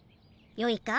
よいか？